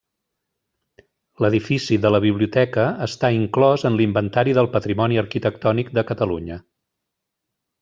L'edifici de la biblioteca està inclòs en l'Inventari del Patrimoni Arquitectònic de Catalunya.